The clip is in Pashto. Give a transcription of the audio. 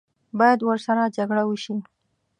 باید ورسره جګړه وشي.